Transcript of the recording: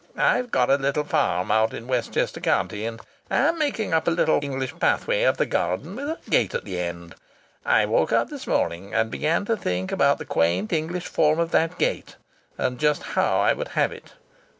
I have got a little farm out in Westchester County and I'm making a little English pathway up the garden with a gate at the end. I woke up this morning and began to think about the quaint English form of that gate, and just how I would have it."